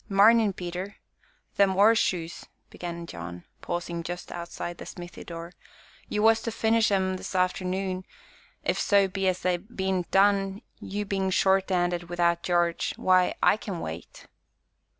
"Marnin', Peter! them 'orseshoes," began John, pausing just outside the smithy door, "you was to finish 'em 's arternoon; if so be as they bean't done, you bein' short'anded wi'out Jarge, why, I can wait."